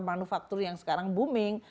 manufaktur yang sekarang booming